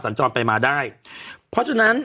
สัญจรไปมาได้เพราะฉะนั้น